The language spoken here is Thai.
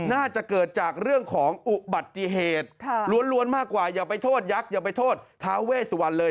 น่าจะเกิดจากเรื่องของอุบัติเหตุล้วนมากกว่าอย่าไปโทษยักษ์อย่าไปโทษท้าเวสวันเลย